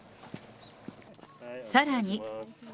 さらに。